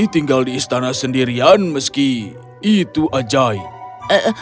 tinggal di istana sendirian meski itu ajaib